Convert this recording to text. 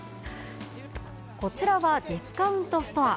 こちらはディスカウントストア。